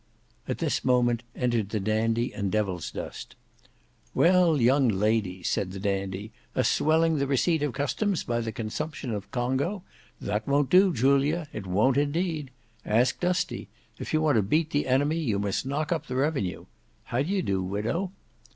At this moment entered the Dandy and Devilsdust. "Well young ladies," said the Dandy. "A swelling the receipt of customs by the consumption of Congo! That won't do, Julia; it won't, indeed. Ask Dusty. If you want to beat the enemy, you must knock up the revenue. How d'ye do, widow?"